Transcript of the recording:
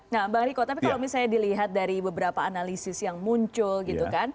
nah bang riko tapi kalau misalnya dilihat dari beberapa analisis yang muncul gitu kan